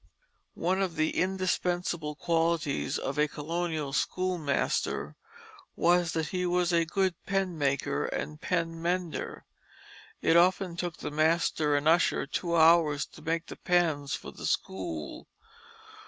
One of the indispensable qualities of a colonial schoolmaster was that he was a good pen maker and pen mender. It often took the master and usher two hours to make the pens for the school.